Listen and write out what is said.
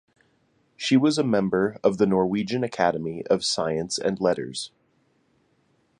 She was a member of the Norwegian Academy of Science and Letters.